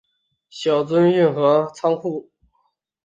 小樽运河和仓库